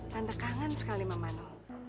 tante kangen sekali mama nu